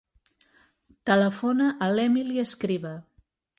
Telefona a l'Emily Escriba.